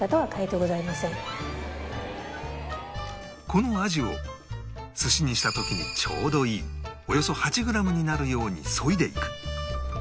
この鯵を寿司にした時にちょうどいいおよそ８グラムになるようにそいでいく